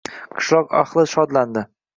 Qishloq ahli shodlandi.